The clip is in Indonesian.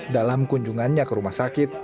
dalam kunjungannya ke rumah sakit